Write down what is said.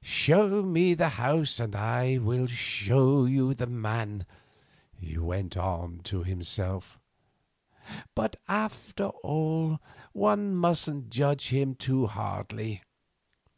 "Show me the house and I will show you the man," he went on to himself; "but, after all, one mustn't judge him too hardly.